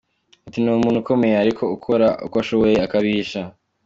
Ati “Ni umuntu ukomeye ariko ukora uko ashoboye akabihisha.